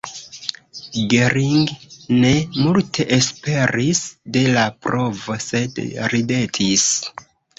Gering ne multe esperis de la provo, sed ridetis.